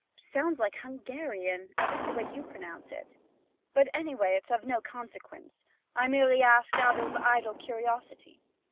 'Sounds like Hungarian at least the way you pronounce it. But anyway it's of no consequence; I merely asked out of idle curiosity.